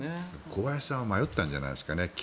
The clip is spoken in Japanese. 小林さんは迷ったんじゃないですかね。